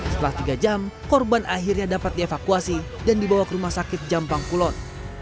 setelah tiga jam korban akhirnya dapat dievakuasi dan dibawa ke rumah sakit jampang kulon